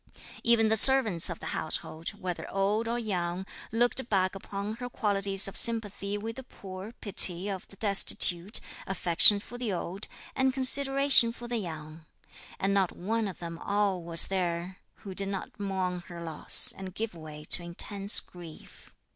Even the servants of the household, whether old or young, looked back upon her qualities of sympathy with the poor, pity of the destitute, affection for the old, and consideration for the young; and not one of them all was there who did not mourn her loss, and give way to intense grief.